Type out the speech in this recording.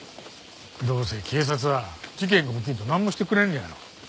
どうせ警察は事件が起きんとなんもしてくれんのやろ。